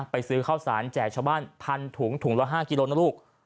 ซื้อข้าวสารแจกชาวบ้าน๑๐๐ถุงถุงละ๕กิโลนะลูก